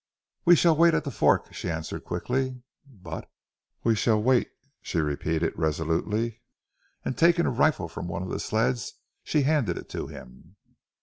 "We shall wait at the fork," she answered quickly. "But " "We shall wait," she repeated resolutely, and taking a rifle from one of the sleds, she handed it to him.